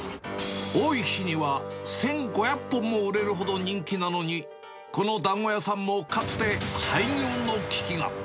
多い日には１５００本も売れるほど人気なのに、このだんご屋さんもかつて、廃業の危機が。